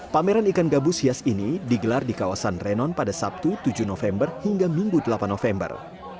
pameran ikan gabus hias ini digelar di kawasan renon pada sabtu tujuh november hingga minggu delapan november